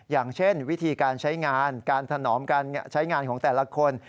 อย่างเช่นวิธีการใช้งานการถนอมการใช้งานของแต่ละคน